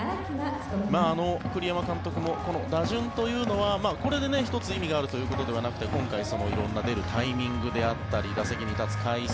栗山監督もこの打順というのはこれで１つ意味があるということではなくて今回、色んな出るタイミングであったり打席に立つ回数